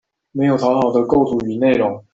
沒有討好的構圖與內容